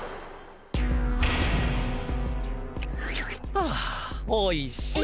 ああおいしい。